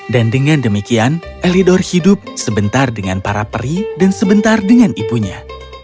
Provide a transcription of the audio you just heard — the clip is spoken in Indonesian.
dan dengan demikian elidor hidup sebentar dengan para peri dan sebentar dengan ibunya